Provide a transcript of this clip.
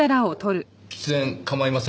喫煙構いませんか？